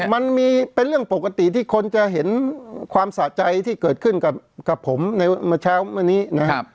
มันมีเป็นเรื่องปกติที่คนจะเห็นความสะใจที่เกิดขึ้นกับผมในเมื่อเช้าวันนี้นะครับ